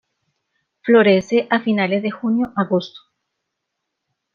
Florece a finales de junio-agosto.